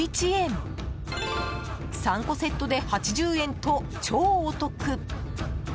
３個セットで８０円と超お得。